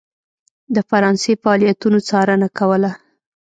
د فرانسې فعالیتونو څارنه کوله.